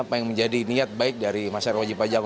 apa yang menjadi niat baik dari masyarakat wajib pajak